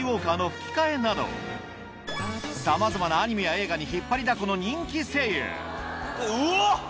さまざまなアニメや映画に引っ張りだこの人気声優うわ！